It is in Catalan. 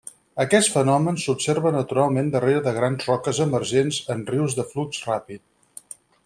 Aquest fenomen s'observa naturalment darrere de grans roques emergents en rius de flux ràpid.